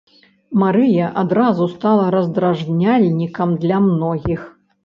Марыя адразу стала раздражняльнікам для многіх.